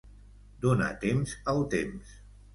Donar temps al temps.